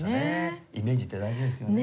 イメージって大事ですよね。